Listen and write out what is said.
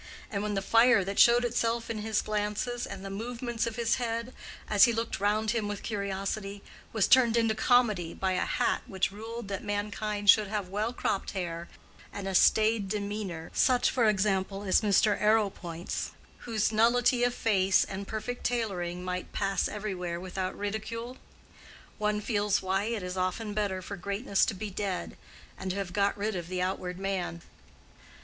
—and when the fire that showed itself in his glances and the movements of his head, as he looked round him with curiosity, was turned into comedy by a hat which ruled that mankind should have well cropped hair and a staid demeanor, such, for example, as Mr. Arrowsmith's, whose nullity of face and perfect tailoring might pass everywhere without ridicule? One feels why it is often better for greatness to be dead, and to have got rid of the outward man.